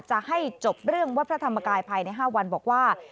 จะให้จบเรื่องวัดพระธรรมกายภายใน๕วันบอกว่า